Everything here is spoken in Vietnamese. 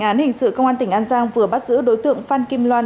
án hình sự công an tỉnh an giang vừa bắt giữ đối tượng phan kim loan